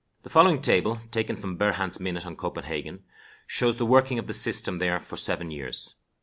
The following table, taken from Berhand's minute on Copenhagen, shows the working of the system there for seven years.